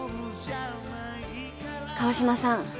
川島さん。